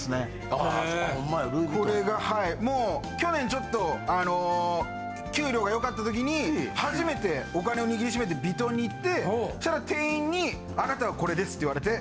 これがはいもう去年ちょっと給料が良かった時に初めてお金を握りしめてヴィトンに行ってそしたら店員にあなたはこれですって言われて。